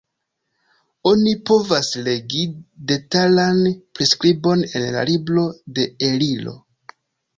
Oni povas legi la detalan priskribon en la libro de Eliro.